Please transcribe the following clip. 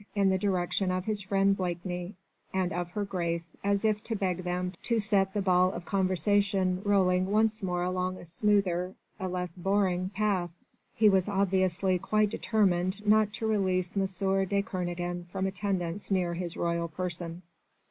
in the direction of his friend Blakeney and of Her Grace as if to beg them to set the ball of conversation rolling once more along a smoother a less boring path. He was obviously quite determined not to release M. de Kernogan from attendance near his royal person.